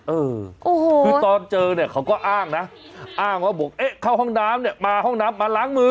เออคือตอนเจอเขาก็อ้างนะอ้างว่าบอกเข้าห้องน้ำมาห้องน้ำมาล้างมือ